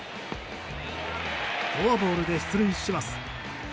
フォアボールで出塁します。